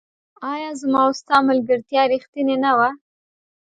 آيا زما او ستا ملګرتيا ريښتيني نه وه